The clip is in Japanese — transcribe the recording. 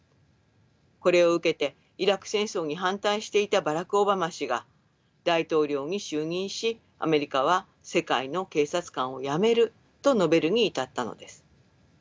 これを受けてイラク戦争に反対していたバラク・オバマ氏が大統領に就任しアメリカは世界の警察官をやめると述べるに至ったのです。